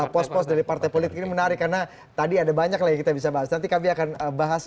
pos pos dari partai politik ini menarik karena tadi ada banyak lagi kita bisa bahas nanti kami akan bahas